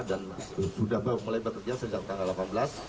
dan sudah mulai bekerja sejak tanggal delapan belas